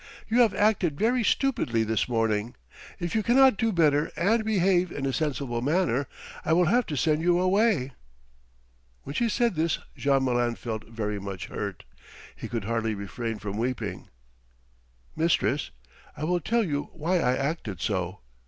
"You have acted very stupidly this morning. If you cannot do better and behave in a sensible manner, I will have to send you away." When she said this Jean Malin felt very much hurt. He could hardly refrain from weeping. "Mistress, I will tell you why I acted so.